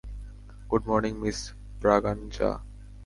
Good morning miss Braganza.